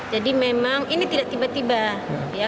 jadi memang ini tidak tiba tiba